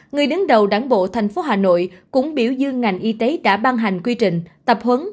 người đứng đầu đảng bộ thành phố hà nội cũng biểu dương ngành y tế đã ban hành quy trình tập huấn